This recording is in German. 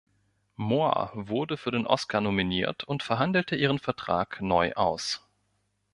Moore wurde für den Oscar nominiert und verhandelte ihren Vertrag neu aus.